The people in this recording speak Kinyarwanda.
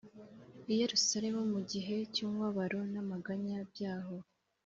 I Yerusalemu mu gihe cy’umubabaro n’amaganya byaho,